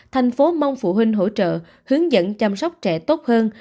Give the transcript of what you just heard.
thành phố mong phụ huynh hỗ trợ hướng dẫn chăm sóc trẻ tốt hơn